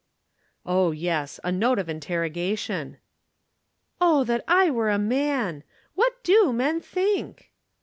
"Oh, yes a note of interrogation." "O that I were a man! What do men think?"